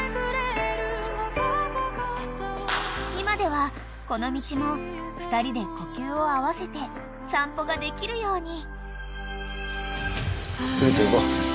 ［今ではこの道も２人で呼吸を合わせて散歩ができるように］